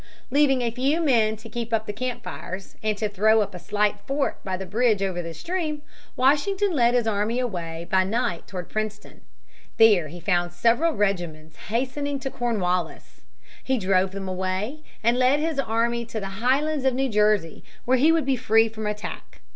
Leaving a few men to keep up the campfires, and to throw up a slight fort by the bridge over the stream, Washington led his army away by night toward Princeton. There he found several regiments hastening to Cornwallis. He drove them away and led his army to the highlands of New Jersey where he would be free from attack.